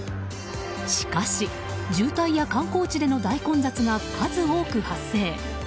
しかし、渋滞や観光地での大混雑が数多く発生。